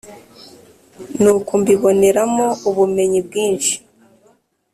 nuko mbiboneramo ubumenyi bwinshi.